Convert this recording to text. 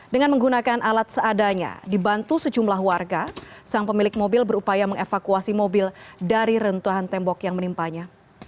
dengan menggunakan alat seadanya dibantu sejumlah warga sang pemilik mobil berupaya mengevakuasi mobil dari rentuhan tembok yang menimpanya